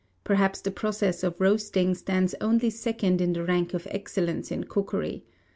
Perhaps the process of roasting stands only second in the rank of excellence in cookery.